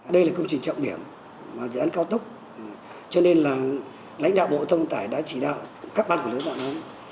đây là công trình trọng điểm dự án cao tốc cho nên là lãnh đạo bộ thông tải đã chỉ đạo các ban của lưới bản án